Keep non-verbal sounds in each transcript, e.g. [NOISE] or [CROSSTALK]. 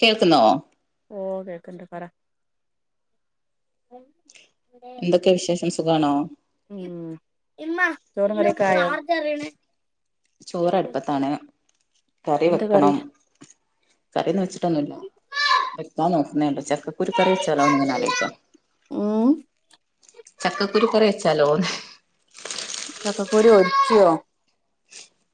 കേൾക്കുന്നോ ഓഹ് കേക്ണ്ട് പറ എന്തൊക്കെയെ വിശേഷം സുഖണോ ചോറും കറി ഒക ആയോ ചോറടുപ്പത്താണ് കറി വെക്കണം കറിയൊന്നും വെച്ചില്ല വെക്കാൻ നോക്കുന്നണ്ട് ചക്കക്കൂരു കറി വച്ചാലോന്ന് ഇങ്ങനെ ആലോചിക്കാം ഉം ചക്കക്കുരു കറി വെച്ചാലോന്ന് ചക്കക്കൂരു ഒലിതിയോ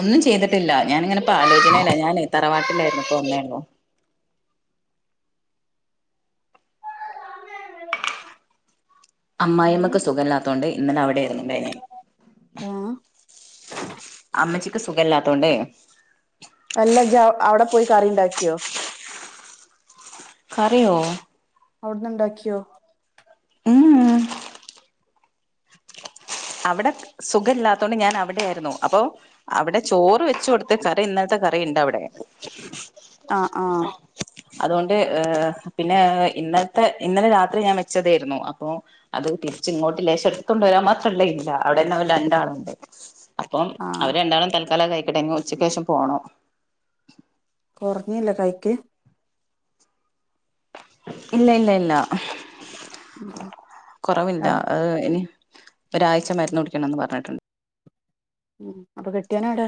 ഒന്നും ചെയ്തിട്ടില്ല ഞാനിങ്ങനെ ഇപ്പോ ആലോചനയിലാ ഞാൻ തറവാട്ടിലായിരുന്നു ഇപ്പൊ വന്നേള്ളൂ ഉം അമമായിമ്മക്ക് സുഖമില്ലാത്തുകൊണ്ട് ഇന്നലെവിടെയയിരുന്നു ഇണ്ടെന്ന ആഹ് അമ്മച്ചിക്ക് സുഖം ഇല്ലാത്തോണ്ടേ അല്ലജ് അവിടെ പോയി കറി ഉണ്ടാക്കി കറിയോ അവിടന്ന്ണ്ടാക്കിയോ ഉം അവിടെ സുഖല്ലാത്ത കൊണ്ട് ഞാൻ അവിടെയായിരുന്നു അപ്പൊ അവിടെ ചോറ് വെച്ചു കൊടുത്ത് കറി ഇന്നലത്തെ കറിയുണ്ട് അവിടെ ആഹ് ആഹ് അതുകൊണ്ട് ഏഹ് പിന്നെ ഇന്നത്തെ ഇന്നലെ രാത്രി ഞാൻ വെച്ചതായിരുന്നു അപ്പോ അത് തിരിച്ചു ഇങ്ങോട്ട് ലേശം എടുത്ത കൊണ്ട് വരാൻ അവിടെന്ന അവര് രണ്ടാളുണ്ട് അപ്പം ആ അവര് രണ്ടാളും തൽക്കാലം കഴിക്കട്ടെ ഉച്ചക്കേഷം പോണം കുറഞ്ഞില്ലേ കൈക്ക് ഇല്ല ഇല്ല ഇല്ല കുറവില്ല അത് ഇനി ഒരാഴ്ച മരുന്ന് കുടിക്കണംന്ന് പറഞ്ഞിട്ടുണ്ട് ഉം അപ്പൊ കെട്ടിയോൻ എവ്ടെ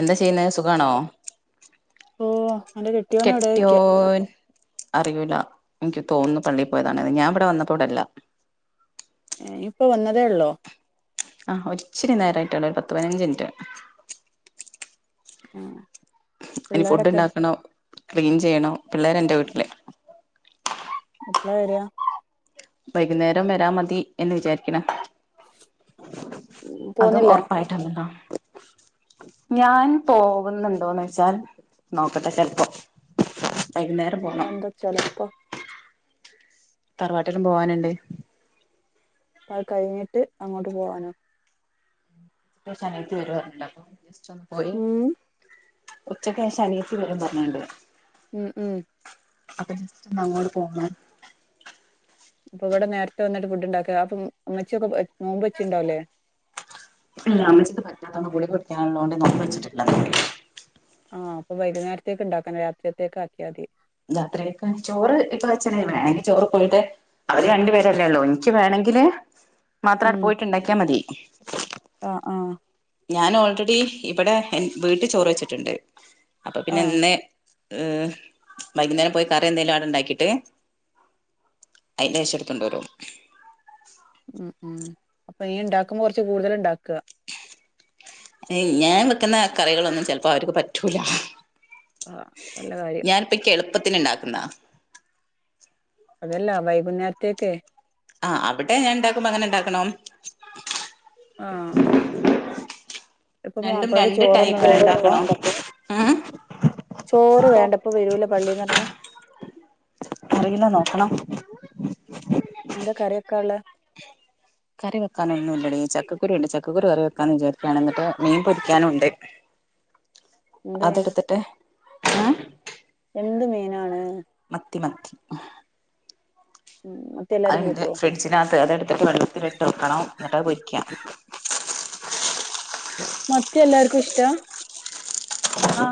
എന്താ ചെയ്യുന്നത് സുഖാണോ ഓ അന്റെ കെട്ടിയോനെവിടെ ചോയ്ക്ക കെട്ടിയോൻ അറിയൂല എനിക്ക് തോന്നുന്നു പള്ളീപ്പോയതാണന്ന് ഞാൻ ഇവിടെ വന്നപ്പോടെല്ല ഏ ഇപ്പോ വന്നതേ ഒള്ളോ ആഹ് ഒരിച്ചരി നേരായിട്ടൊള്ളു ഒരു പത്ത് പതിനഞ്ച്ഇൻറ്റ് അഹ് ഇനി ഫുഡ് ഉണ്ടാക്കണം ക്ലീൻ ചെയ്യണം പിള്ളേര് എൻ്റെ വീട്ടില് എപ്പളാ വെരാ വൈകുന്നേരം വരാ മതി എന്ന് വിചാരിക്ണ് അതും പോന്നില്ലേ ഒറപ്പായി [UNINTELLIGIBLE] ഞാൻ പോവുന്നുണ്ടോന്നച്ചാൽ നോക്കട്ടെ ചെലപ്പോ വൈകുന്നേരം പോണം അതയന്താ ചെലപ്പോ തറവാട്ടിലും പോവാൻണ്ട് അത് കഴിഞ്ഞിട്ട് അങ്ങോട്ട് പോകാനോ എന്തേചാ അനിയത്തി വരോ പറഞ്ട്ണ്ട് അപ്പൊ ജസ്റ്റ്‌ ഒന്ന് പോഴി ഉം ഉച്ചക്കേഷം അനിയത്തി വരും പറഞ്ഞിണ്ട് ഉം ഉം അപ്പൊ ഇന്ന് അങ്ങോട്ട് പോണം അപ്പൊ ഇവിടെ നേരത്തെ വന്നിട്ട് ഫുഡ്ണ്ടാക്കാ അപ്പൊ മ് ഇമ്മച്ചി യൊക്കെ നോമ്പ് വച്ചിണ്ടാവല്ലേ ഇപ്പ രാമിച്ചത്ത് പറ്റാത്തവന്ന് ഗളി കൊടിക്കാനുള്ളതോണ്ട് നോമ്പ് വച്ചിട്ടില്ല ആഹ് അപ്പോ വൈകുന്നേരത്തേക്ക് ഇണ്ടാക്കണം രാത്രിയ്ത്തേകാക്കിയാതി യാത്രഅയക്കാന് ചോറ് ഇപ്പൊ വെച്ഛനെ വേണമെങ്കി ചോറ് പോയിട്ടെ അവര് രണ്ടു പേരല്ലേള്ളു ഇൻക്ക് വേണങ്കില് ഉം മാത്രായിട്ട് പോയിട്ട്ണ്ടാക്കിയാ മതി ആഹ് ആഹ് ഞാൻ ഓൾറെഡി ഇവിടെ എൻ വീട്ടി ചോറ് വെച്ചിട്ട്ണ്ട് അപ്പൊ പിന്നെ ആഹ് ഇന്ന് ഏഹ് വൈകുന്നേരം പോയി കറി എന്തേലും അവിടെ ഇണ്ടാക്കീട്ട് അയിന്റേശം ഇട്ത്തോണ്ട് വരും ഉം മ് അപ്പൊ ഈയ് ഇണ്ടാക്കുമ്പോ കൊറച്ച് കൂടുതല് ഇണ്ടാക്കാ യിൽ ഞാൻ വെക്കുന്ന കറികളൊന്നും ചെലപ്പോ അവർക്ക് പറ്റൂല ആഹ് നല്ല കാര്യം ഞാന്ഇപ്പ ക്കെളുപ്പത്തിന് ഇണ്ടാക്കുന്നാ അതെല്ലാ വൈകുന്നേരത്തേക്കെ ആഹ് അവിടെ ഞാൻ ഇണ്ടാക്കുമ്പോ അങ്ങനെ ഇണ്ടാക്കണം ആഹ് ഇപ്പൊ രണ്ടും മാപ്പളക്ക് രണ്ട് ചോറൊന്നും ടൈപ്പിൽ വേണ്ടപ്പോ ഉണ്ടാക്കണം ഉം ചോറ് വേണ്ടപ്പോ വെരൂലെ പള്ളിന്നെറങ്ങി അറിയില്ല നോക്കണം എന്താ കറി വെക്കാള്ളെ കറി വെക്കാ ഒന്നുല്ല ടീ ചക്കകുരു ഉണ്ട് ചക്കകുരു കറി വെക്കാന്ന് വിചാരിക്കാണ് എന്നിട്ട് മീൻ പൊരിക്കാനും ഉണ്ട് എന്ത് മീനാ അതെടുത്തിട്ട് ഏങ് എന്ത് മീനാണ് മത്തി മത്തി ഉംമ് അത്ണ്ട് ഫ്രിഡ്ജിനകത്ത് അതെടുത്തിട്ട് വെള്ളത്തിലിട്ട് വെക്കണം എന്നിട്ട്ത് പൊരിക്കാം മത്തി എല്ലാർക്കും ഇഷ്ടാ ആഹ്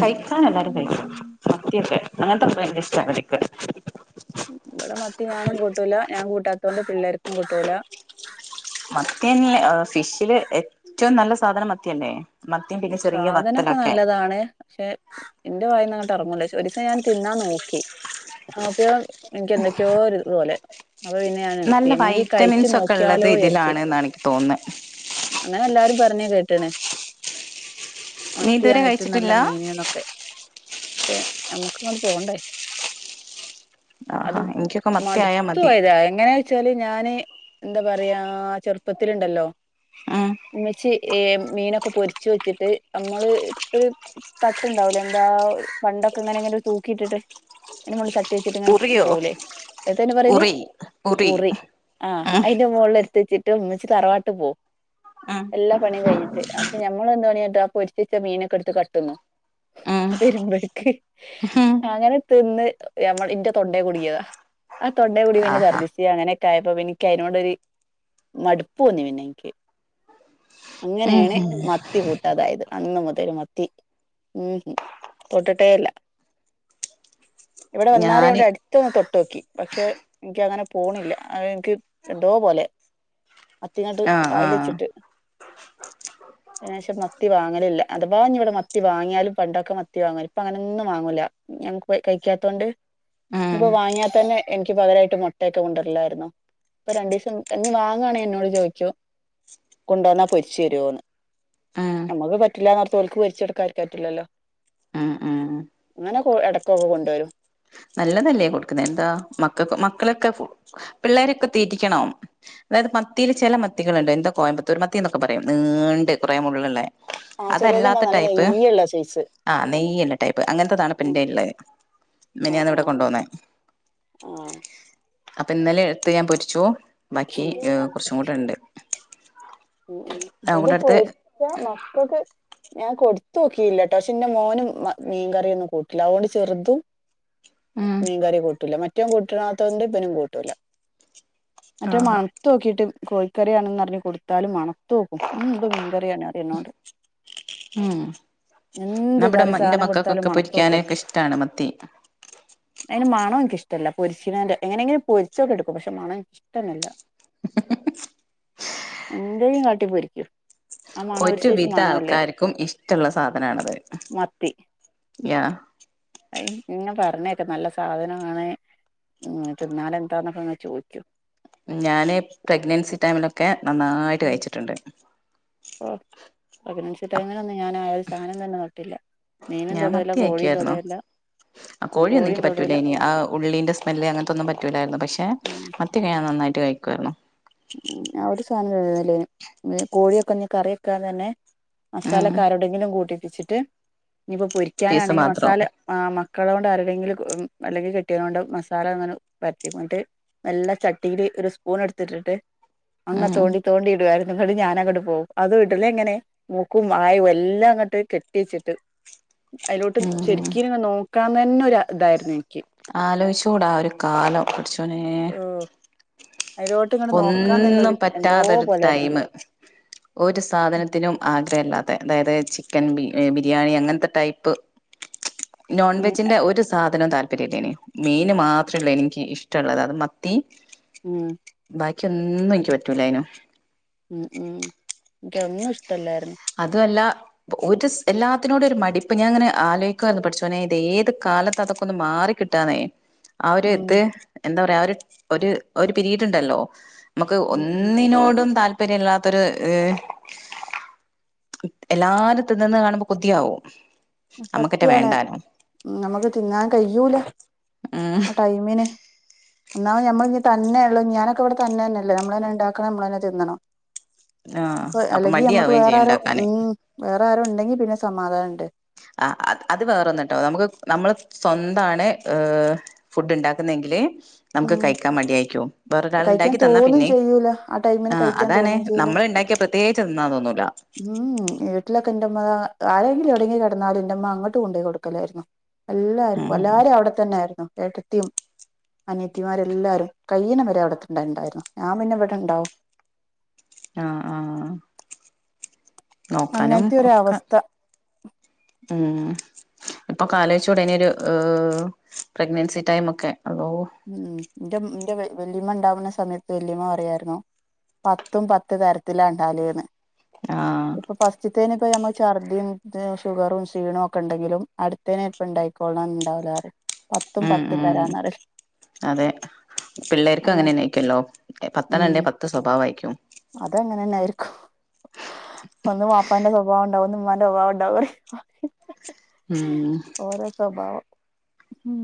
കഴിക്കാൻ എല്ലാരും കഴിക്കും മത്തി ഒക്കെ അങ്ങൻത്തൊ ഭയങ്കര ഇഷ്ടാ ഇവല്ക്ക് ഇവിടെ മത്തി ഞാനും കൂട്ടൂല ഞാൻ കൂട്ടാത്തോട് പിള്ളേർക്കും കൂട്ടൂല മത്തിന്നെല്ലെ ഹ് ഫിഷില് എറ്റവും നല്ല സാധനം മത്തി അല്ലേ സാധനൊക്കെ നല്ലതാണ് പക്ഷെ ഇന്റെ വായിന്നങ്ങ്‌ട്ട് അറങ്ങൂല ചൊ ഒരിസ ഞാൻ തിന്നാ നോക്കി ആ ആപ്പ്യ എൻക്ക് എന്തൊക്കെയോ ഒരിത്പോലെ അപ്പൊ പിന്നെ ഞാന് നിർത്തി. നല്ല എങ്ങനെങ്കി കഴിച്ചു വൈറ്റമിൻസ് ഒക്കെ ഉള്ളത് നോക്കിയാലോ വിജാരിച്ച് ഇതിലാണ് എന്നാണ് എനിക്ക് തോന്നുന്നെ അങ്ങനെ എല്ലാരും പർഞ്ഞ് കേട്ട്ണ്. നീ ഇതുവരെ മത്തിആണ് ഏറ്റും നല്ല കഴിച്ചിട്ടില്ല മീന്ന്നൊക്കെ ഷെ ഞമ്മക്ക് ഇങ്ങോട്ട് പോണ്ടേ. ആഹാ അത് എനിക്കൊക്കെ മത്തിയായാ മടുത്തു മതി പോയതാ എങ്ങനെ ച്ചാല് ഞാന് എന്താ പറയാ ചെർപ്പത്തില്ണ്ടല്ലോ ഉം മ്മച്ചി ഏ മീനൊക്കെ പൊരിച്ച് വെച്ചിട്ട് അമ്മള് ത്ത് തട്ട്ണ്ടാവൂലോ എന്താ പണ്ടൊക്കെ ങ്ങനെ ങ്ങനെ ഒരു തൂക്കിട്ട്ട്ട്. അയ്ന്റെ മോള്ള് ചട്ടി വെച്ച്ട്ട്ങ്ങനെ ഉറിയോ പോവുലെ യെത്ത ഐന് പറയല്? ഉറി ഉറി ആ ഉം അയ്ന്റെ മോള്ള് എട്ത്തെച്ചി ട്ട് മ്മച്ചി തറവാട്ട് പോവും ഉം എല്ലാ പണിം കയ്ഞ്ഞിറ്റ് അ അപ്പ ഞമ്മൾ എന്ത് പണിആട്ട് ആ പൊരിചിട്ട മീനൊക്കെ എടുത്ത് കട്ട്ന്നു വെരുമ്പള്ക്ക്. ഹ്. അങ്ങനെ തിന്ന് ഞമ്മ ഇന്റെ തൊണ്ടേ കുടിങ്ങതാ ആ തൊണ്ടേ കുടി പിന്നെ ആഹാ ഛർദിച് അങ്ങനെ കായപ്പ ഇനിക്ക് അയ്നോടോര് മടുപ്പ് തോന്നി പിന്നെ ഇൻക് ഉം അങ്ങനെണ് മത്തി കൂ അതായത് അന്ന് മുതൽ മത്തി മ്ഹ് തൊട്ട്ട്ടേല്ല. [INAUDIBLE] ഇവിടെ വന്നാരെ ഞാന് വ്അടി ന്ന് തൊട്ട് നോക്കി പക്ഷെ ഇനിക്കങ്ങനെ പോണില്ല അഹ് എനിക്ക് എന്തോ പോലെ. മത്തിങ്ങാണ്ട് ആഹ് വായില് ആഹ് ച്ചിട്ട് അതിനേഷം മത്തി വാങ്ങലില്ല അഥവാഞ്ഞി വടെ മത്തി വാങ്ങ്യലും പണ്ടൊക്കെ മത്തി വാങ്ങ ഇപ്പൊ അങ്ങനെന്നും വാങ്ങൂല. ഞങ്ങക്ക് പോയ്‌ കയ്ക്കാത്തോണ്ട് ഉം ഇപ്പൊ വാങ്ങിയാ തന്നെ എനിക്ക് പകരയിട്ട് മൊട്ടയൊക്കെ കൊണ്ടുരല്ലായ്രുന്നു. ഇപ്പൊ രണ്ടീസം നീ വാങ്ങുണെ ന്നോട് ചോയ്ക്കും കുണ്ടേന്നാ പൊരിച് രോന്ന്. ഉം ഞമക്ക് പറ്റില്ലാന്നോർത്ത് ഓൽക് പോരിച്ചെടുക്കാരിക്കന് റ്റ്ല്ലല്ലോ. ഉം ഉം അങ്ങനെ കേ എടക്കൊക്കെ കൊണ്ടൊരും. നല്ലതല്ലേ കൊട്ക്ക്ന്നെ ന്താ മക്കക്ക് മക്കളൊക്കെ പിള്ളേരൊക്കെ തീറ്റിക്കണം. അതായത് മത്തിയിൽ ചില മത്തിക്കൾ ണ്ട്‌ എന്താ കോയമ്പത്തൂർ മത്തി ന്നൊക്കെ പറയും നീണ്ട് കൊറെ മുള്ള്ള്ളെ. ആ ചെലേത് അതല്ലാത്ത നല്ല ടൈപ്പ് നെയ്യുള്ള സൈസ് ആ നെയ്യ് ള്ള ടൈപ്പ് അങ്ങൻത്തെതാണ് പിന്റെള്ളെഹ്. ആ മിനിഞ്ഞാന്ന് ഇവടെ കൊണ്ടന്നെ ആ അപ്പൊ ഇന്നലെ എട്ത്ത് ഞാൻ പൊരിച്ചു ബാക്കി ഹെ ആ കൊറച്ചു കൂടെ ണ്ട്. ഉം ഉം ഇത് എടുത്ത് പോരിച്ച മക്കക്ക് ഞാൻ കൊടുത്ത്തോക്കില്ലട്ടോ ഷെ ന്റെ മോനും മീൻകറിന്നും കൂട്ട്ല അഹ്ഓണ്ട് ചെറ്ത് ഉം മീൻ കറി കൂട്ടൂല മറ്റൊൻ കൂട്ടണത്തോണ്ട് ഇബനും കൂട്ടൂല. മറ്റേൻ ആഹാ മണുതോക്കിട്ട് കോഴിക്കറിണ്ന്ന്ർണ് കൊടുത്താലും മണ തോക്കും മ് ഇത് മീൻകറിണ് അ തിനോണ്ട് മ് എന്ത് നബടെ കറി ന്റെ സാധനം കൊടുത്താലും മക്കക്കൊക്കെ മണത്തോക്കും പൊരിക്കാനൊക്കെ ഇഷ്ടാണ് മത്തി. [INAUDIBLE] അയ്നെ മണം ഇൻക്ക് ഇഷ്ടല്ല പൊരിച്ചീണെന്റെ എങ്ങനെങ്കിലു പൊരിചെക്കെടുക്കും പക്ഷെ മണം ഇൻക്ക്ഷ്ടല്ല. [INAUDIBLE] എന്തേ കാട്ടിപ്പൊരിക്കു ഒരു വിധ ആൾക്കാർക്കും ഇഷ്ടള്ള സാധനണത് യാ അഹ് ഇങ്ങ പറഞ്ഞെക്ക നല്ല സാധനാണ് ഹ് തിന്നാല് എന്താന്നക്കങ്ങ ചോയ്ക്യു ഞാന് പ്രഗ്നൻസി ടൈമിലൊക്കെ നന്നാ മ് ഓ പ്രഗ്നൻസി ടൈമിലൊന്നും ഞാൻ ആ ഒരു സാനം തന്നെ കേട്ടില്ല. ഞാൻ മത്തി കയിക്കാരുന്നു അ കോയിയൊന്നും കോഴിയും യ്ക്ക് തൊടൂല്ല പറ്റൂലേനി ആ ഉള്ളീന്റെ സ് മെല്ലെ അങ്ങൻത്തൊന്നും പറ്റൂലാരുന്നു പഷെ ഉം മത്തി ഞാൻ നന്നായിട്ട് കയിക്കാരുന്നു. ഉ ആ ഒരു സമയം [UNINTELLIGIBLE] കോഴിയൊക്കെ ഞ്ഞി കറികാതന്നെ മസാല ഉം കാരോ ടെങ്കിലും കൂട്ടിപ്പിച്ചിട്ട് ഇനിപ്പോ പീസ് പൊരിക്കാനാണെങ്കി മാത്രം മസാല ആ മക്കളോണ്ട് ആരുടെങ്കിലും അല്ലെങ്കി കെട്ട്യോനോണ്ടൊ മസാല ങ്ങനെ പെരട്ടി കൊണ്ട് നല്ല ചട്ടിയില് ഒരു സ്പൂൺ എടുത്തിട്ടിട്ട് അങ്ങ ഉം തോണ്ടി തോണ്ടി ഇടുവായിരുന്നു ന്നിട്ട് ഞാനങ്ങട്ട് പോകും അതു ഇടുന്നെ എങ്ങനെ മൂക്കും വായും എല്ലാം അങ്ങട്ട് കെട്ടി വെച്ചിട്ട് അയിലോട്ട് ഉം ശരിക്കിങ്ങനെ നോക്കാതന്നെ ഒരു ഇതായിരുന്നു എനിക്ക് ആലോയിച്ചുകൂടാ ഒരു കാലം പടച്ചോനേ ഓ അതിലോട്ട് ഇങ്ങോട്ട് നോക്കാൻ തന്നെ ഒന്നും ഒരു എന്തോ പറ്റാത്തൊരു പോലായിരുന്നു ടൈമ് ഒരു സാധനത്തിനും ആഗ്രഹല്ലാതെ അതായത് ചിക്കൻ ബി ബിരിയാണി അങ്ങനത്തെ ടൈപ്പ് ഉം നോൺവെജിന്റെ ഒരു സാധനവും താൽ പര്യല്ലെനി മീന് മാത്രള്ള് എനിക്ക് ഇഷ്ടള്ളത് അത് മത്തി [INAUDIBLE] ബാക്കി ഒന്നും എക്ക് പറ്റൂലായിനു ഉം ഉം ക്ക് ഒന്നു ഇഷ്ടല്ലാരുന്ന് അതു അല്ല ഒരുസ് എല്ലാത്തിനോടെ ഒരു മടിപ്പ് ഞാങ്ങനെ ആലോയിക്കുവനു പഠിച്ചുനെ ഇത് ഏത് കാലത്ത് അതൊക്കെ ഒന്ന് മാറി കിട്ട ട്ടന്നേ ആ ഒര് ഉം ഇത് എന്താ പറയാ ഒരു ഒരു പിരീഡ് ഉണ്ടല്ലോ മ്മക്ക് ഉം ഉം ഒന്നിനോടും താല്പര്യല്ലാത്തൊരു ഹ് എല്ലാര തിന്നിന്ന് കാണുമ്പോ കൊതിയാവും നമ്മുക്കറ്റെ സത്യാണ് വേണ്ടാനും ഞമ്മക്ക് തിന്നാൻ കയ്യൂല ആ ടൈമിന് ഒന്നാമത് നമ്മൾ ഇ തന്നെയള്ള ഞാനൊക്കെ ഇവിടെ തന്ന തന്നെയല്ലേ നമ്മള എന്നെണ്ടാക്കണം നമ്മളന്നെ തിന്നണം ആഹ് അപ്പൊ അല്ലെങ്കി നമ്മുക്ക് മടിയാവുകയും വേറെ ചെയ്യും ആരോ ഉണ്ടാക്കാന് ഉം വേറെ ആരോ ഉണ്ടെങ്കി പിന്നെ സമാധാനണ്ട് ആ അ അത് വേറൊന്നട്ടോ നമുക്ക് നമ്മള് സ്വന്താണ് ഹ് ഫുഡ് ഉണ്ടാക്കുന്നെങ്കില് നമുക്ക് ഉം കയിക്കാൻ മടിയായിക്കു വേറൊരാൾ കഴിക്കാൻ ഇണ്ടാക്കി തന്നാ തോന്നും പിന്നെ ചെയ്യൂല ടൈമിന് ആ കഴിക്കാൻ അതാണ് തോന്നും ചെയ്യൂല നമ്മള ഇണ്ടാക്കിയ പ്രത്യേകിച്ച് തിന്നാ തോന്നുല്ല ഉം വീട്ടിലൊക്കെ എന്റെമ്മ ആരെങ്കിലും എവിടെയങ്കും കിടന്നാലും എന്റെമ്മ അങ്ങോട്ട് കൊണ്ടപോയി കൊടുക്കലായിരുന്നു എല്ലാർക്കും ഉം എല്ലാരും അവിടെ തന്നാരുന്നു ഏട്ടത്തിയും അനത്തിമാരെല്ലാരും കൈ്യന വരെ അവിടെണ്ടായി ഉണ്ടായിരുന്നു ഞാൻ പിന്നെ ഇവിടെ ഉണ്ടാവും ആഹ ആഹ് നോക്കാനും അങ്ങനത്തെ ഒരു ഒക്കെ അവസ്ഥ ഹ്മ് ഇപ്പൊ കാലോച്ച്കൂടന ഒരു പ്രഗ്നൻസി ടൈം ഒക്കെ അള്ളോ ഉം ഉ എന്റെ ഇന്റെ വല്യമ്മ ഉണ്ടാവുന്ന സമയത്ത് വല്യമ്മ പറയായിരുന്നോ പത്തും പത്ത് തരത്തില ഉണ്ടാലന്ന് ആഹ് ഇപ്പൊ ഫസ്റ്റ്ത്തേനപ്പൊ നമ്മ ഛർദ്ദിയും ഷുഗറും സീണും ഒക്കെ ഉണ്ടെങ്കിലും അടുത്തേയ്ന് ചെലപ്പ ഉണ്ടായിക്കോള്ണം ഇണ്ടാവില പറ പ ഉം ഉം അതെ പിള്ളേർക്കും അങ്ങനെ നയിക്കുല്ലോ പത്തെണ്ണന്റെ പത്ത് സ്വഭാവം ആയിക്കും അതെങ്ങനെന്നൊയിരിക്കും ഒന്നും വാപ്പാന്റെ സ്വഭാവം ഉണ്ടാവും ഒന്നും ഉമ്മാന്റെ സ്വഭാവം ഉണ്ടാവും ഉം ഓര സ്വഭാവം ഉം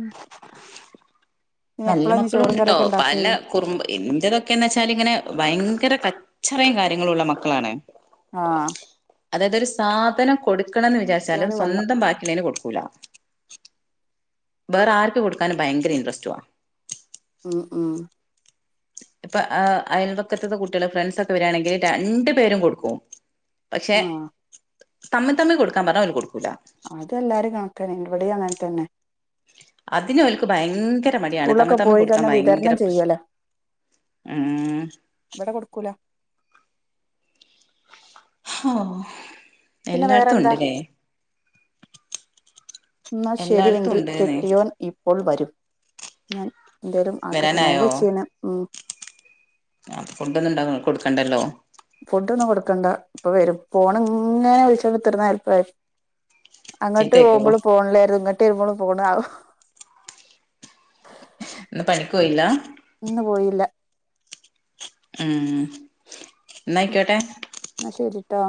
ഇനി നല്ല എപ്പളാ ഇനി മക്കളും ചോറും ഉണ്ട്ട്ടോ കറിയൊക്കെ ഉണ്ടാക്കേ പല കുറുമ്പ്എൻ്റെതൊക്കെന്ന് വെച്ചാൽ ഇങ്ങനെ ഭയങ്കര കച്ചറയും കാര്യങ്ങളും ഉള്ള മക്കളാണ് ആഹ് അതായത് ത് ഒരുസാധനം കൊടുക്കണം എന്ന് വിചാരിച്ചാലും കുട്ട്യോന് വന്നു സ്വന്തം ബാക്കിള്ളേന് കൊടുക്കൂല വേറെ ആർക്ക് കൊടുക്കാൻ ഭയങ്കര ഇൻറസ്റ്റ്വാ ഉം ഉം ഇപ്പൊ അയൽവക്കത്ത കുട്ടികളെ ഫ്രണ്ട്സക്കെ വരിയാണെങ്കിൽ രണ്ടു പേരും കൊടുക്കും പക്ഷെ ആഹ് തമ്മി തമ്മി കൊടുക്കാൻ പറഞ്ഞാ അവല് കൊടുക്കൂല അതെല്ലാരും കണക്ക ന്നെഇവിടി അങ്ങന്നതന്നെ അതിനെ ഓൽക്ക് ഭയങ്കര മടിയാണ് തമ്മ സ്കൂളിലൊക്കെ തമ്മിൽ പോയി കൊടുക്കാൻ കഴിഞ്ഞാ ഭയങ്കര വിതരണം പ്രശ്നം ചെയ്യലാ ഉം ഇവടെ കൊടുക്കൂല പിന്നെ എല്ലായിടത്തും വേറെന്താ ഉണ്ടല്ലേ എന്നാ എല്ലായിടത്തും ശരിയങ്കിൽ ഉണ്ട്ന്ന് കെട്ടിയോൻ ഇപ്പോൾ വരും ഞാൻ എന്തായാലും ആക്കട്ടെ വരാനായോ നോമ്പച്ചീണ് ഉം ആപ്പൊ ഫുഡൊന്ന ഉണ്ടാവ കൊടുക്കണ്ടല്ലോ ഫുഡ് ഒന്നും കൊടുക്കണ്ട ഇപ്പൊ വരും പോണ ഇങ്ങനെ വിളിച്ചതരുന്ന അല്പ അങ്ങോട്ട് ചീത്തേക്കോ പോകുമ്പോൾ പോണില്ലായിരുന്നു ഇങ്ങോട്ട് വരുമ്പോൾ പോണ ആവോ ഇന്ന് പണിക്ക പോയില്ല ഇന്ന് പോയില്ല ഉം എന്നായിക്കോട്ടെ എന്ന ശരിട്ടോ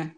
ഉം